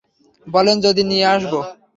বলেন যদি নিতে আসবো?